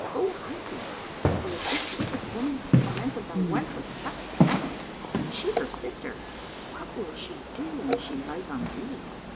Go hide thee; for, if this wicked woman have tormented thy wife with such torments, and she her sister, what will she do, an she light on thee?"